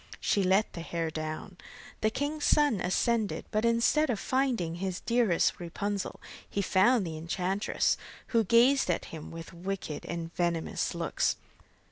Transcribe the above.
she let the hair down. The king's son ascended, but instead of finding his dearest Rapunzel, he found the enchantress, who gazed at him with wicked and venomous looks.